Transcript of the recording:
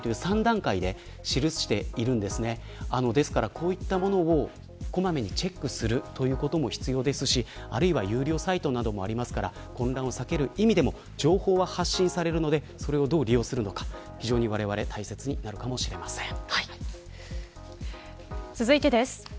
こういったものを小まめにチェックするということも必要ですしあるいは有料サイトなどもありますから混乱を避ける意味でも情報は発信されるのでそれをどう利用するのかわれわれ大切になるかも続いてです。